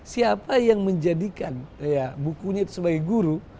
siapa yang menjadikan bukunya itu sebagai guru